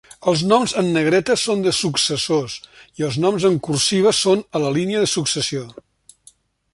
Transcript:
Els noms en negreta són de successors, i els noms en cursiva són a la línia de successió.